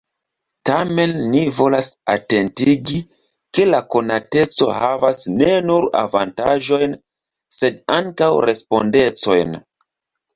Tamen ni volas atentigi, ke la konateco havas ne nur avantaĝojn, sed ankaŭ respondecojn.